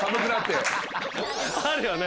あるよね？